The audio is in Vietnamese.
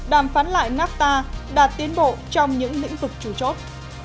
đàm phán lại nafta đạt tiến bộ trong những lĩnh vực chủ chốt